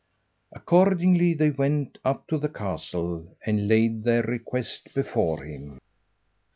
Accordingly they went up to the castle and laid their request before him.